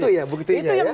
itu ya begitu ya